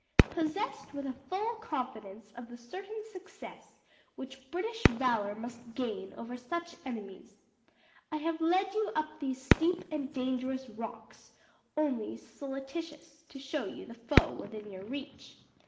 Possessed with a full confidence of the certain success which British valor must gain over such enemies, I have led you up these steep and dangerous rocks, only solicitous to show you the foe within your reach.